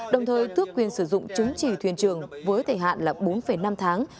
đồng thời tước quyền sử dụng chứng chỉ thuyền trường với thời hạn là bốn năm tháng